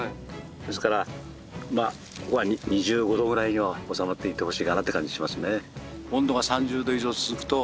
ですからここは２５度ぐらいには収まっていってほしいかなって感じしますね。